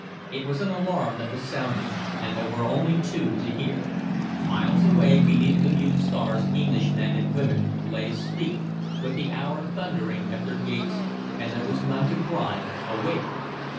It was an alarum that was sounding, and there were only two to hear; miles away beneath the mute stars English men and women lay asleep, with the hour thundering at their gates, and there was none to cry, "Awake!"